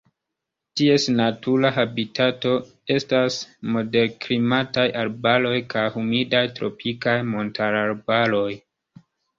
Ties natura habitato estas moderklimataj arbaroj kaj humidaj tropikaj montararbaroj.